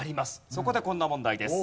そこでこんな問題です。